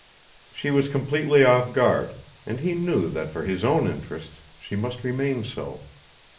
She was completely off guard and he knew that for his own interests, she must remain so.